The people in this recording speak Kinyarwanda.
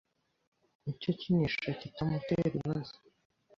icyo akinisha kitamutera ibibazo